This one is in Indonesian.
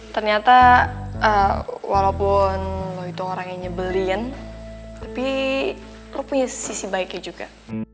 ternyata walaupun lu itu orang yang nyebelin tapi lu punya sisi baiknya juga